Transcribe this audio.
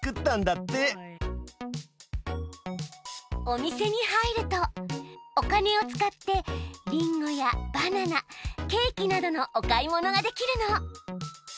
お店に入るとお金を使ってりんごやバナナケーキなどのお買い物ができるの。